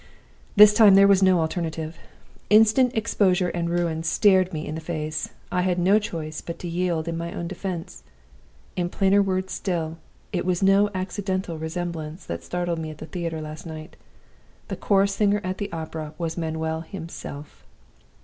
"This time there was no alternative. Instant exposure and ruin stared me in the face: I had no choice but to yield in my own defense. In plainer words still, it was no accidental resemblance that startled me at the theater last night. The chorus singer at the opera was Manuel himself!